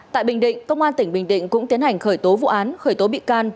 tại bình định công an tỉnh bình định cũng tiến hành khởi tố vụ án khởi tố bị can